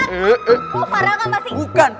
lu parah kan pasti